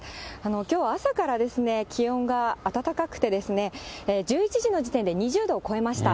きょうは朝からですね、気温が暖かくて、１１時の時点で２０度を超えました。